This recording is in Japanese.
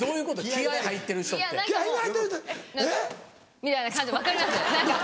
みたいな感じ分かります？